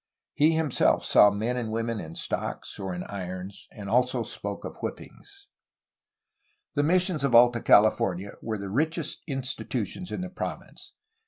He himself saw men and women in stocks or in irons, and also spoke of whippings. The missions of Alta California were the richest institu tions in the province.